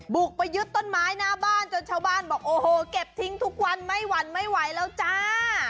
บุกไปยึดต้นไม้หน้าบ้านจนชาวบ้านบอกโอ้โหเก็บทิ้งทุกวันไม่หวั่นไม่ไหวแล้วจ้า